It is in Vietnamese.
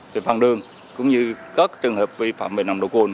về văn đường cũng như các trường hợp vi phạm về nồng độ cuồn